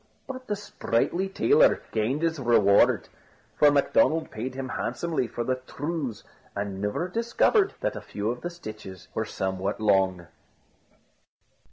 But the sprightly tailor gained his reward: for Macdonald paid him handsomely for the trews, and never discovered that a few of the stitches were somewhat long.